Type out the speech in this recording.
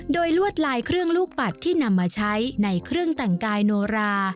โดยลวดลายเครื่องลูกปัดที่นำมาใช้ในเครื่องแต่งกายโนรา